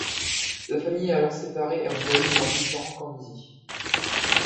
La famille est alors séparée et envoyée dans différents camps nazis.